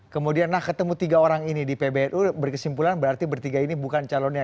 kemudian nah ketemu tiga orang ini di pbnu berkesimpulan berarti bertiga ini bukan calonnya